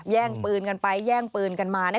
แย่งปืนกันไปแย่งปืนกันมา